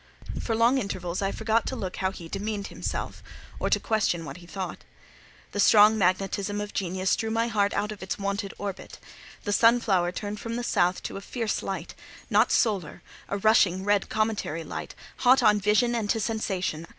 For long intervals I forgot to look how he demeaned himself, or to question what he thought. The strong magnetism of genius drew my heart out of its wonted orbit; the sunflower turned from the south to a fierce light, not solar—a rushing, red, cometary light—hot on vision and to sensation.